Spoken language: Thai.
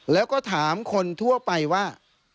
แล้วก็ถามคนทั่วไปว่า